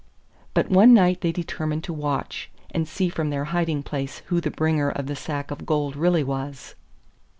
But one night they determined to watch, and see from their hiding place who the bringer of the sack of gold really was.